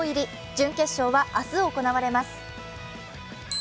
準決勝は明日、行われます。